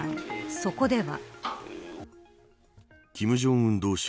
そこでは。